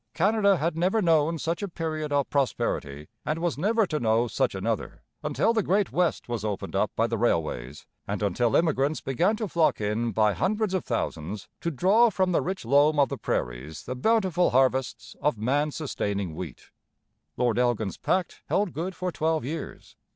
Canada had never known such a period of prosperity, and was never to know such another, until the great West was opened up by the railways and until immigrants began to flock in by hundreds of thousands, to draw from the rich loam of the prairies the bountiful harvests of man sustaining wheat. Lord Elgin's pact held good for twelve years.